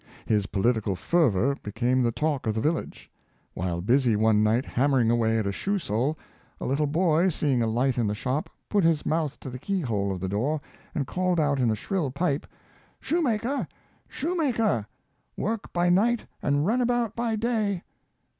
His po litical fervor became the talk of the villasfe. While busy one night hammering away at a shoe sole, a little boy, seeing a light in the shop, put his mouth to the 240 Samuel Drew, keyhole of the door, and called out in a shrill pipe, " Shoemaker! shoemaker! work by night and run about by day!